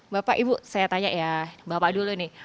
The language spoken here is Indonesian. bapak ibu saya tanya ya bapak dulu nih